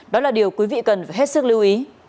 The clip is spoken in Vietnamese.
đó là điều quý vị cần phải hết sức lưu ý